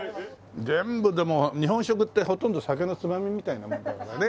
全部でも日本食ってほとんど酒のつまみみたいなもんだからね。